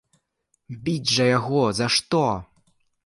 Біць жа яго за што?!